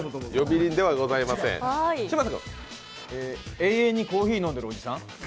永遠にコーヒー飲んでるおじさん？